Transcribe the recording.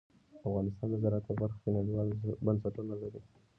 افغانستان د زراعت په برخه کې نړیوالو بنسټونو سره کار کوي.